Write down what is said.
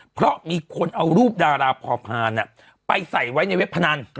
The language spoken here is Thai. เพราะมีคนเอารูปดาราพอพานไปใส่ไว้ในเว็บพนัน